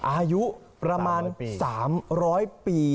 อายุประมาณสามร้อยปี